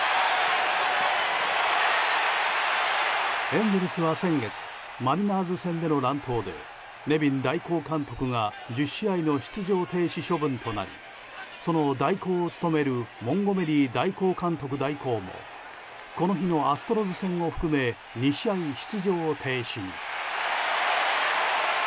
エンゼルスは先月マリナーズ戦での乱闘でネビン代行監督が１０試合の出場停止処分となりその代行を務めるモンゴメリー代行監督代行もこの日のアストロズ戦を含め２試合出場停止に。